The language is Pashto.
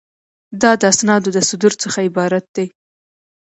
دا د اسنادو د صدور څخه عبارت دی.